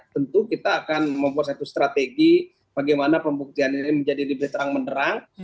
tentu kita akan membuat satu strategi bagaimana pembuktian ini menjadi lebih terang menerang